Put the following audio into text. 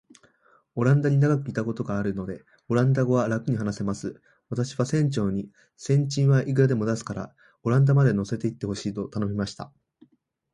オランダに長らくいたことがあるので、オランダ語はらくに話せます。私は船長に、船賃はいくらでも出すから、オランダまで乗せて行ってほしいと頼みました。